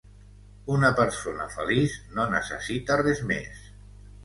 Una persona feliç no necessita res més.